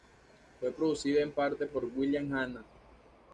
Fue producida en parte por William Hanna.